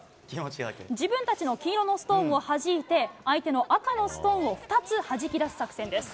自分たちの黄色のストーンをはじいて、相手の赤のストーンを２つはじき出す作戦です。